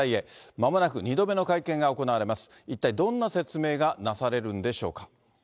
まもなく２度目の会見が行われます。